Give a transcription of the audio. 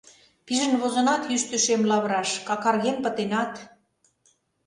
Пижын возынат йӱштӧ шем лавыраш, какарген пытенат...